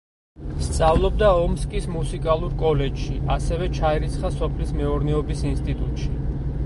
სწავლობდა ომსკის მუსიკალურ კოლეჯში, ასევე ჩაირიცხა სოფლის მეურნეობის ინსტიტუტში.